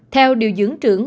theo điều dưỡng